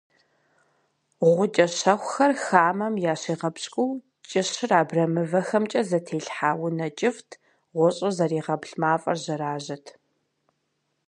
Гъукӏэ щэхухэр хамэм ящигъэпщкӏуу кӏыщыр абрэмывэхэмкӏэ зэтелъхьа унэ кӏыфӏт, гъущӏыр зэригъэплъ мафӏэр жьэражьэт.